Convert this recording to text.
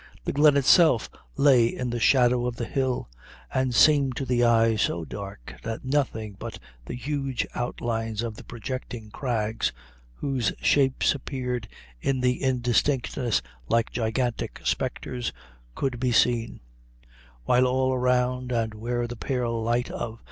The glen itself lay in the shadow of the hill, and seemed to the eye so dark that nothing but the huge outlines of the projecting crags, whose shapes appeared in the indistinctness like gigantic spectres, could been seen; while all around, and where the pale light of!